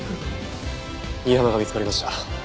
新浜が見つかりました。